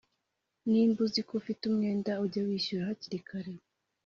Nimba uziko ufite umwenda ujye uwishyura hakiri kare